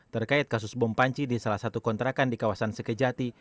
terkait kasus bom panci di salah satu kontrakan di kawasan sekejati